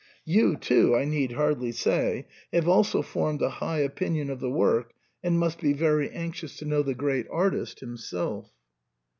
You too, I need hardly say, have also formed a high opinion of the work, and must be very anxious to know the great artist himself."